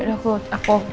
aduh aku mau ngecek dulu deh